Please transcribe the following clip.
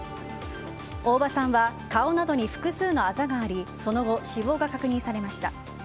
大場さんは、顔などに複数のあざがありその後、死亡が確認されました。